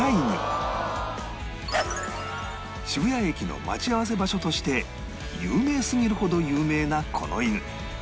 渋谷駅の待ち合わせ場所として有名すぎるほど有名なこの犬